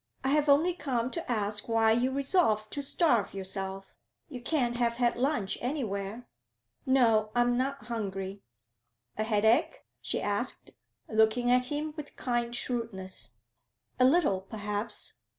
'I have only come to ask why you resolve to starve yourself. You can't have had lunch anywhere?' 'No; I am not hungry.' 'A headache?' she asked, looking at him with kind shrewdness. 'A little, perhaps.'